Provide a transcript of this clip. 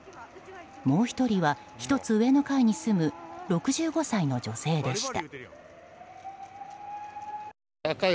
もう１人は、１つ上の階に住む６５歳の女性でした。